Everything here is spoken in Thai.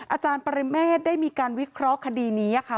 อาจารย์ปริเมฆได้มีการวิเคราะห์คดีนี้ค่ะ